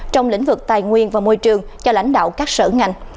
trong lĩnh vực tài nguyên và môi trường cho lãnh đạo các sở ngành